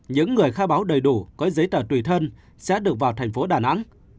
những người khai báo đầy đủ có giấy tờ tùy thân sẽ được vào thành phố đà nẵng